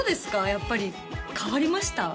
やっぱり変わりました？